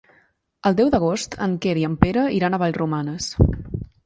El deu d'agost en Quer i en Pere iran a Vallromanes.